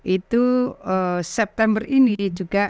itu september ini juga